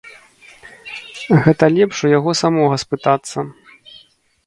Гэта лепш у яго самога спытацца.